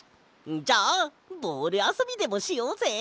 じゃあボールあそびでもしようぜ！